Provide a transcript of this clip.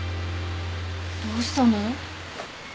どうしたの？